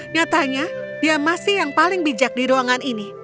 nyatanya dia masih yang paling bijak di ruangan ini